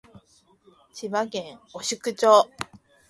千葉県御宿町